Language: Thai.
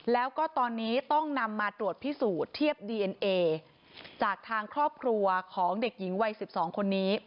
แล้วก็ตอนนี้ต้องนำมาตรวจพิสูจน์เทียบดีเอ็นเอจากทางครอบครัวของเด็กหญิงวัย๑๒คนนี้